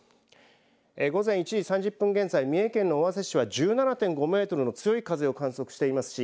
午前１時３０分現在、三重県の尾鷲市は１７．５メートルの強い風を観測しています。